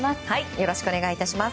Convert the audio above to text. よろしくお願いします。